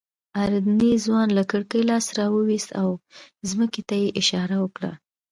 اردني ځوان له کړکۍ لاس راوویست او ځمکې ته یې اشاره وکړه.